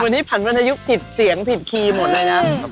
วันนี้ผันวรรณยุคผิดเสียงผิดคีย์หมดเลยนะ